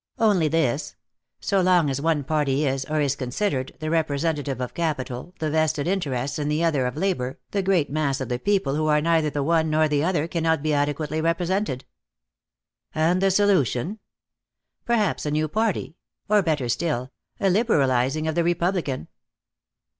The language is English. "Only this: So long as one party is, or is considered, the representative of capital, the vested interests, and the other of labor, the great mass of the people who are neither the one nor the other cannot be adequately represented." "And the solution?" "Perhaps a new party. Or better still, a liberalizing of the Republican."